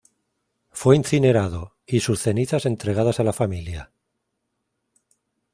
Fue incinerado, y sus cenizas entregadas a la familia.